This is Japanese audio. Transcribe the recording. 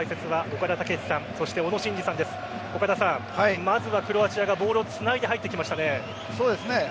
岡田さん、まずはクロアチアがボールをつないでそうですね。